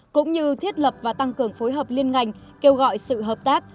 cũng như thiết lập và tăng cường phối hợp liên ngành kêu gọi sự hợp tác